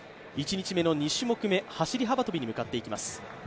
１日目の２種目め、走幅跳に向かっていきます。